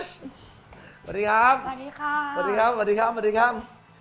สวัสดีครับ